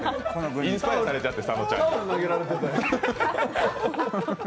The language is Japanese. インスパイアされちゃって佐野ちゃんが。